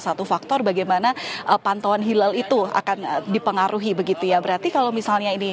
satu faktor bagaimana pantauan hilal itu akan dipengaruhi begitu ya berarti kalau misalnya ini